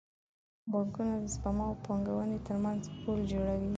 بانکونه د سپما او پانګونې ترمنځ پل جوړوي.